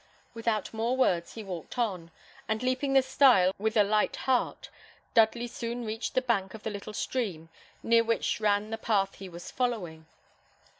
Without more words he walked on; and leaping the stile with a light heart, Dudley soon reached the bank of the little stream near which ran the path he was following.